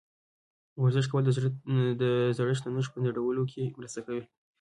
ورزش کول د زړښت د نښو په ځنډولو کې مرسته کوي.